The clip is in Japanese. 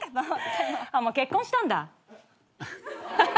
あっもう結婚したんだ。